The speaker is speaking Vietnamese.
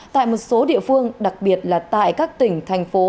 tại một số địa phương đặc biệt là tại các tỉnh thành phố